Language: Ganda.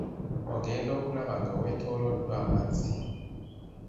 Ogenda okulaba nga weetooloddwa amazzi.